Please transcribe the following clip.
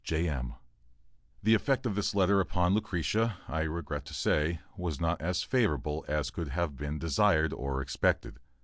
J. M. The effect of this letter upon Lucretia, I regret to say, was not as favorable as could have been desired or expected.